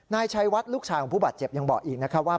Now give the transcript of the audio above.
นายชัยวัดลูกชายของผู้บาดเจ็บยังบอกอีกนะครับว่า